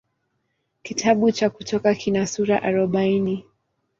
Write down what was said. Kitabu cha Kutoka kina sura arobaini.